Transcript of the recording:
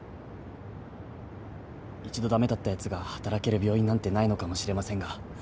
一度駄目だったやつが働ける病院なんてないのかもしれませんが。